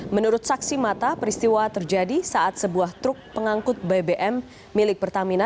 menurut saksi mata peristiwa terjadi saat sebuah truk pengangkut bbm milik pertamina